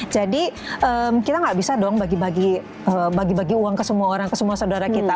jadi kita nggak bisa dong bagi bagi uang ke semua orang ke semua saudara kita